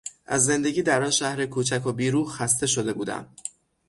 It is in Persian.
از زندگی در آن شهر کوچک و بی روح خسته شده بودم.